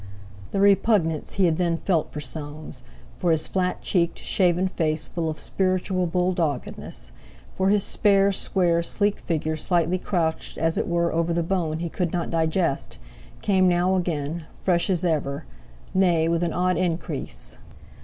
The repugnance he had then felt for Soames—for his flat cheeked, shaven face full of spiritual bull doggedness; for his spare, square, sleek figure slightly crouched as it were over the bone he could not digest—came now again, fresh as ever, nay, with an odd increase.